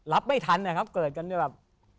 รับไม่ทันนะครับเกิดกันเนี่ยแบบ